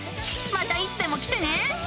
またいつでも来てね。